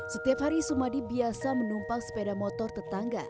setiap hari sumadi biasa menumpang sepeda motor tetangga